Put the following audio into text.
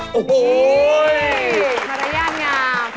มารยาณงาม